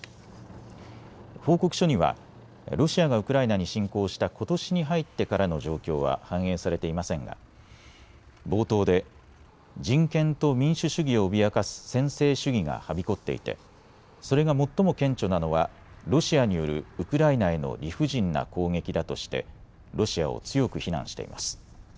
報告書にはロシアがウクライナに侵攻したことしに入ってからの状況は反映されていませんが冒頭で人権と民主主義を脅かす専制主義がはびこっていてそれが最も顕著なのはロシアによるウクライナへの理不尽な攻撃だとしてロシアを強く非難しています。